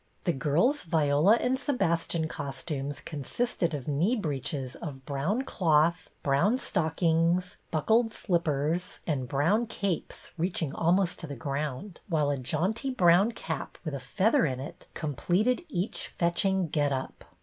The girls' Viola and Sebastian costumes consisted of knee breeches of brown cloth, brown stockings, buckled slippers, and brown capes reaching almost to the ground, while a jaunty brown cap with a feather in it completed each fetching get up.